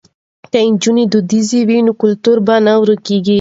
که نجونې دودیزې وي نو کلتور به نه ورکيږي.